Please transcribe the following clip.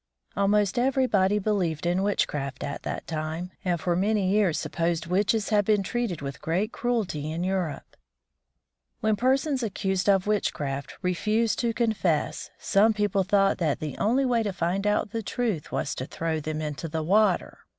Almost everybody believed in witchcraft at that time, and for many years supposed witches had been treated with great cruelty in Europe. When persons accused of witchcraft refused to confess, some people thought that the only way to find out the truth was to throw them into the water.